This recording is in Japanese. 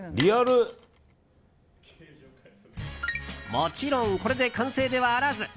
もちろんこれで完成ではあらず。